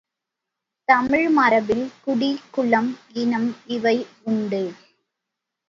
தமிழ் மரபில் குடி, குலம், இனம் இவை உண்டு.